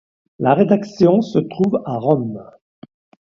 La rédaction se trouve à Rome.